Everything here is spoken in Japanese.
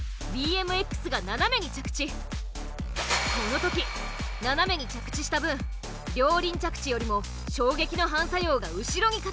この時斜めに着地した分両輪着地よりも衝撃の反作用が後ろに傾く。